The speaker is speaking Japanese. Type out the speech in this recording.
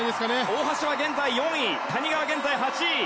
大橋は現在４位谷川は現在８位。